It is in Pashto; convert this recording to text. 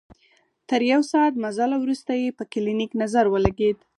تر يو ساعت مزله وروسته يې په کلينيک نظر ولګېد.